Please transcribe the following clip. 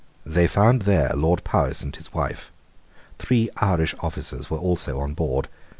They found there Lord Powis and his wife. Three Irish officers were also on board.